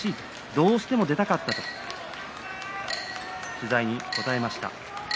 どうしても出たかった、と取材に答えました。